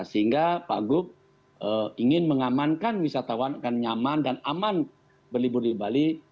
sehingga pak gup ingin mengamankan wisatawan akan nyaman dan aman berlibur di bali